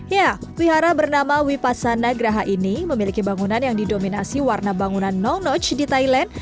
ya wihara bernama wipasa nagraha ini memiliki bangunan yang didominasi warna bangunan non notch di thailand